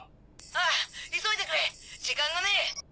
ああ急いでくれ時間がねえ！